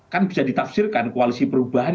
kan bisa ditafsirkan koalisi perubahan